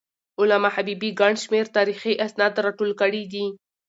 علامه حبيبي ګڼ شمېر تاریخي اسناد راټول کړي دي.